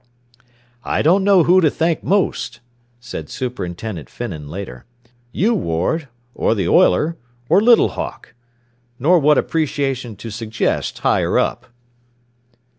"I don't know who to thank most," said Superintendent Finnan later "you, Ward, or the oiler, or Little Hawk. Nor what appreciation to suggest higher up."